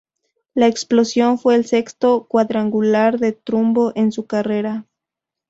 La explosión fue el sexto cuadrangular de Trumbo en su carrera.